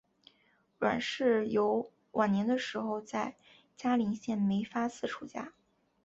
阮氏游晚年的时候在嘉林县梅发寺出家。